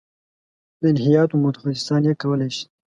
د الهیاتو متخصصان یې کولای شي.